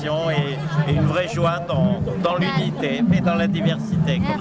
dan kegembiraan dalam unit dan diversitas